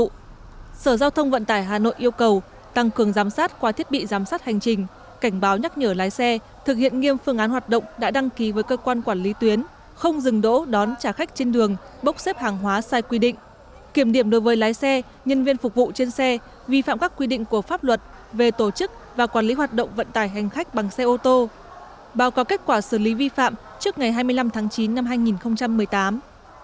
cụ thể sở giao thông vận tài hà nội yêu cầu tăng cường giám sát qua thiết bị giám sát hành trình cảnh báo nhắc nhở lái xe thực hiện nghiêm phương án hoạt động đã đăng ký với cơ quan quản lý tuyến không dừng đỗ đón trả khách trên đường bốc xếp hàng hóa sai quy định kiểm điểm đối với lái xe nhân viên phục vụ trên xe vi phạm các quy định của pháp luật về tổ chức và quản lý hoạt động vận tài hành khách bằng xe ô tô báo cáo kết quả xử lý vi phạm trước ngày hai mươi năm tháng chín năm hai nghìn một mươi tám